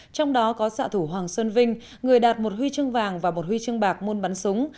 trong đó có xạ thủ hoàng sơn vinh người đạt một huy chương vàng và một huy chương bạc môn bắn súng